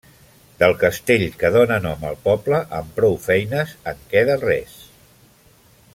Del castell que dóna nom al poble amb prou feines en queda res.